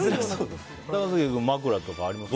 高杉君、枕とかありますか？